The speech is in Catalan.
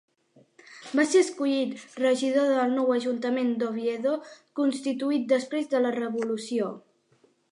Va ser escollit regidor del nou ajuntament d'Oviedo, constituït després de la Revolució.